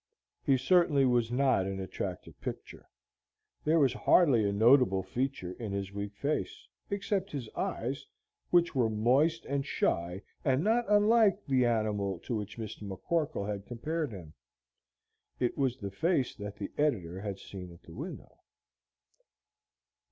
He certainly was not an attractive picture. There was hardly a notable feature in his weak face, except his eyes, which were moist and shy and not unlike the animal to which Mr. McCorkle had compared him. It was the face that the editor had seen at the window.